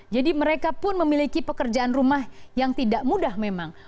jadi mereka pun memiliki pekerjaan rumah yang tidak mudah memang